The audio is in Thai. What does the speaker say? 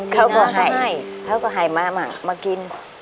เขาก็ให้มากิน